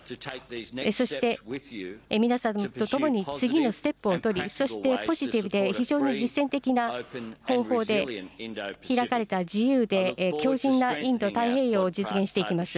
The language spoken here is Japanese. そして皆さんと共に次のステップを取り、そしてポジティブで非常に実践的な方法で開かれた自由で強じんなインド太平洋を実現していきます。